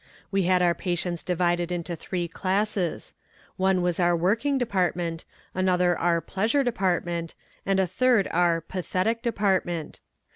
We had our patients divided into three classes; one was our working department, another our pleasure department, and a third our pathetic department.